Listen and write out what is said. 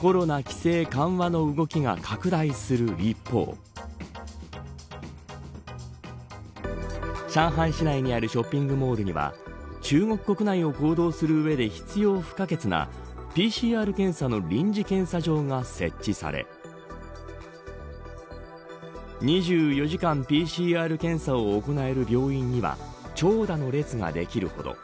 コロナ規制緩和の動きが拡大する一方上海市内にあるショッピングモールには中国国内を行動するうえで必要不可欠なＰＣＲ検査の臨時検査場が設置され２４時間ＰＣＲ検査を行える病院には長蛇の列ができるほど。